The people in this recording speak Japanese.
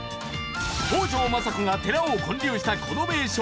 北条政子が寺を建立したこの名所